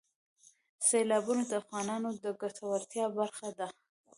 سیلابونه د افغانانو د ګټورتیا برخه ده.